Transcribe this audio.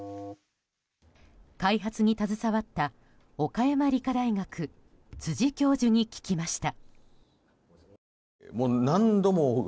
開発に携わった岡山理科大学辻教授に聞きました。